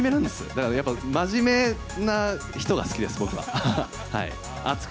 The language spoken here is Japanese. だからやっぱ、真面目な人が好きです、僕は。